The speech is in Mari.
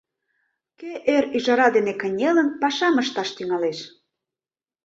Кӧ, эр ӱжара дене кынелын, пашам ышташ тӱҥалеш?